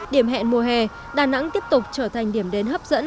điểm hẹn mùa hè đà nẵng tiếp tục trở thành điểm đến hấp dẫn